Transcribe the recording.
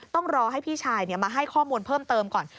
ต้องรอให้พี่ชายมาให้ข้อมูลเพิ่มเติมก่อน